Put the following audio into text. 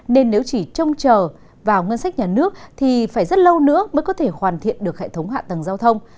nên nếu chỉ trông chờ vào ngân sách nhà nước thì phải rất lâu nữa mới có thể hoàn thiện được hệ thống hạ tầng giao thông